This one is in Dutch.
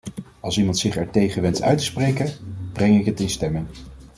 Als niemand zich ertegen wenst uit te spreken, breng ik het in stemming.